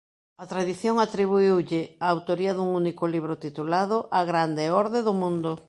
A tradición atribuíulle a autoría dun único libro titulado "A grande orde do mundo".